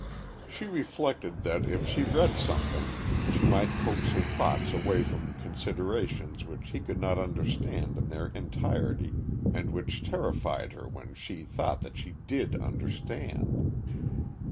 She reflected that if she read something she might coax her thoughts away from considerations which he could not understand in their entirety, and which terrified her when she thought that she did understand.